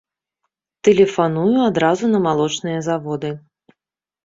Тэлефаную адразу на малочныя заводы.